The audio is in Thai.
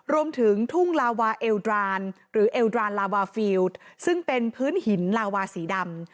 รวมถึงทุ่งลาวาเอลดรานหรือเอลดรานลาวาฟิลซึ่งเป็นพื้นหินลาวาสีดำ